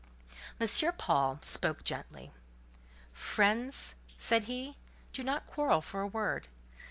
M. Paul spoke gently:—"Friends," said he, "do not quarrel for a word.